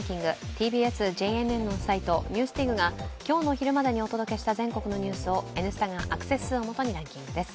ＴＢＳ・ＪＮＮのサイト「ＮＥＷＳＤＩＧ」が今日の昼までにお届けした全国のニュースを「Ｎスタ」がアクセス数をもとにランキングです。